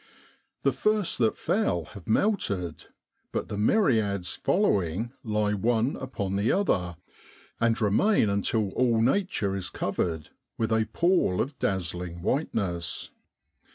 The first that fell have melted, but the myriads following lie one upon the other, and remain until all Nature is covered with a pall of dazzling whiteness.